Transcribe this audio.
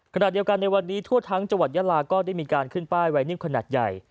ขณะเดียวกันในวันนี้ทั่วทั้งจังหวัดยาลาก็ได้มีการขึ้นป้ายไวนิวขนาดใหญ่